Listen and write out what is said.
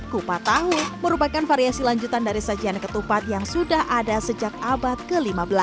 kupat tahu merupakan variasi lanjutan dari sajian ketupat yang sudah ada sejak abad ke lima belas